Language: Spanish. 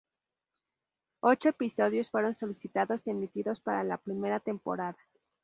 Ocho episodios fueren solicitados y emitidos para la primera temporada.